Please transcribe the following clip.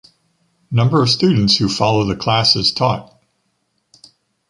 Number of students who follow the classes taught.